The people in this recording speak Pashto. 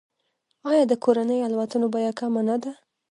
آیا د کورنیو الوتنو بیه کمه نه ده؟